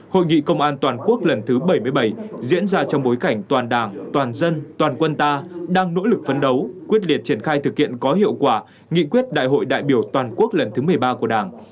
hội nghị công an toàn quốc lần thứ bảy mươi bảy diễn ra trong bối cảnh toàn đảng toàn dân toàn quân ta đang nỗ lực phấn đấu quyết liệt triển khai thực hiện có hiệu quả nghị quyết đại hội đại biểu toàn quốc lần thứ một mươi ba của đảng